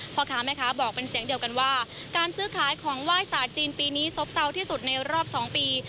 พ่อค้าแม่ค้าบอกเป็นเสียงเดียวกันว่าการซื้อขายของไหว้ศาสตร์จีนปีนี้ซบเศร้าที่สุดในรอบ๒ปี